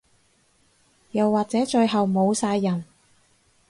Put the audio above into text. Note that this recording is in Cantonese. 又或者最後冇晒人